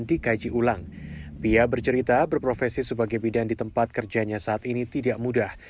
dikaji ulang pia bercerita berprofesi sebagai bidan di tempat kerjanya saat ini tidak mudah